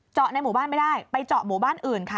ในหมู่บ้านไม่ได้ไปเจาะหมู่บ้านอื่นค่ะ